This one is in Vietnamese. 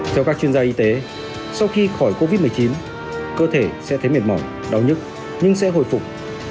theo các chuyên gia y tế sau khi khỏi covid một mươi chín cơ thể sẽ thấy mệt mỏi đau nhức nhưng sẽ hồi phục